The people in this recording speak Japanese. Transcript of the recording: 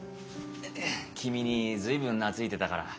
君に随分懐いてたから。